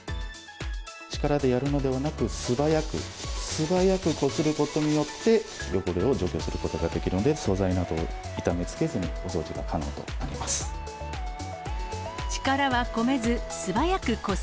力でやるのではなく、素早く、素早くこすることによって、汚れを除去することができるので、素材などを傷めつけず、お掃除が可能となります。